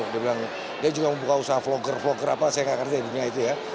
dia bilang dia juga membuka usaha vlogger vlogger apa saya nggak ngerti dunia itu ya